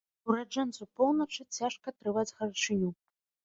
Ураджэнцу поўначы цяжка трываць гарачыню.